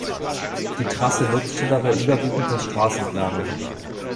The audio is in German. Die Trasse nutzte dabei überwiegend das Straßenplanum.